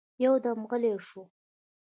يودم غلی شو.